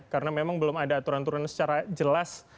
karena memang belum ada aturan aturan secara jelas